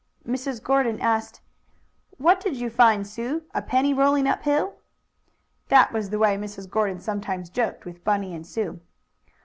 Mrs. Gordon asked: "What did you find, Sue, a penny rolling up hill?" That was the way Mrs. Gordon sometimes joked with Bunny and Sue.